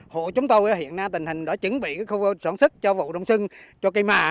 hộ chúng tôi hiện nay tình hình đã chuẩn bị khu sản xuất cho vụ đồng sưng cho cây mà